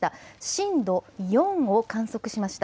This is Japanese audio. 震度４を観測しました。